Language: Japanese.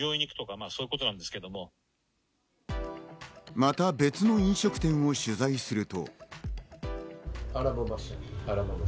また、別の飲食店を取材すると。